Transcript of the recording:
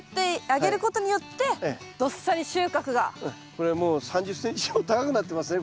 これはもう３０ｃｍ以上高くなってますね